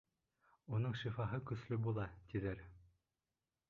Уның шифаһы көслө була, тиҙәр.